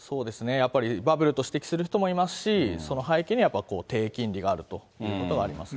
やっぱりバブルと指摘する人もいますし、その背景には、やっぱり低金利があるということはありますね。